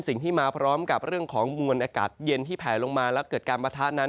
สิ่งที่มาพร้อมกับเรื่องของมวลอากาศเย็นที่แผลลงมาแล้วเกิดการปะทะนั้น